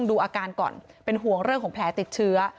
ดูอาการก่อนเป็นห่วงเรื่องของแผลติดเชื้อ